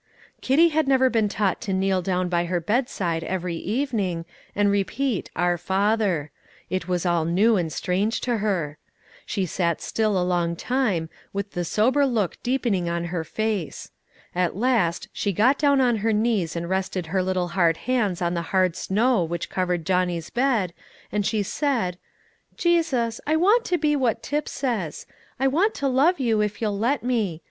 Kitty had never been taught to kneel down by her bedside every evening, and repeat "Our Father;" it was all new and strange to her. She sat still a long time, with the sober look deepening on her face. At last she got down on her knees and rested her little hard hands on the hard snow which covered Johnny's bed, and she said, "Jesus, I want to be what Tip says. I want to love you if you'll let me.